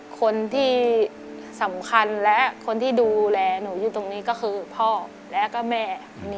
คนที่สำคัญและคนที่ดูแลหนูอยู่ตรงนี้ก็คือพ่อและก็แม่